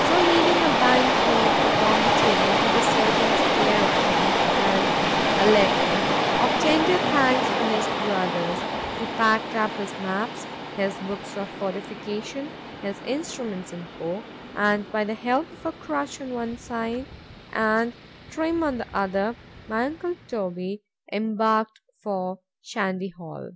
——So leaving a bank note upon the table for the surgeon's care of him, and a letter of tender thanks for his brother's—he packed up his maps, his books of fortification, his instruments, &c. and by the help of a crutch on one side, and Trim on the other,——my uncle Toby embarked for _Shandy Hall.